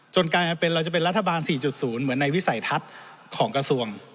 กลายมาเป็นเราจะเป็นรัฐบาล๔๐เหมือนในวิสัยทัศน์ของกระทรวง